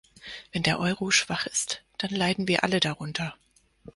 Wenn der Euro schwach ist, dann leiden wir alle darunter.